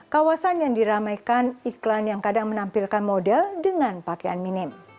kawasan yang diramaikan iklan yang kadang menampilkan model dengan pakaian minim